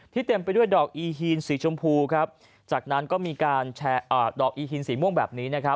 ที่เต็มไปด้วยดอกอีฮีนสีชมพูจากนั้นก็มีการแชร์ดอกอีฮีนสีม่วงแบบนี้